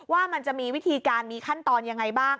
ว่ามันจะมีวิธีการมีขั้นตอนยังไงบ้าง